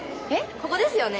ここですよね？